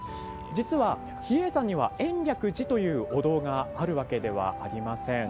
実は、比叡山には延暦寺というお堂があるわけではありません。